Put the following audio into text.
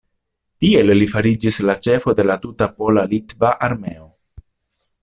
Tiel li fariĝis la ĉefo de la tuta pola-litva armeo.